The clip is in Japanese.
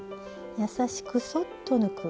優しくそっと抜く。